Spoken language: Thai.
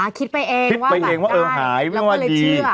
อ่าคิดไปเองว่าแบบได้คิดไปเองว่าเออหายไม่ว่าดี